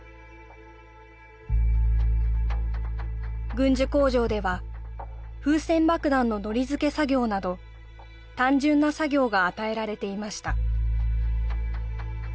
軍需工場では風船爆弾の糊付け作業など単純な作業が与えられていました